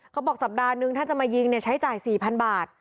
เขาบอกสัปดาห์นึงถ้าจะมายิงเนี่ยใช้จ่าย๔๐๐๐บาท